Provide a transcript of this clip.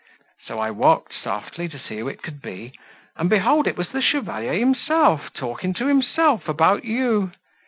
So I walked softly, to see who it could be; and behold! it was the Chevalier himself, talking to himself about you.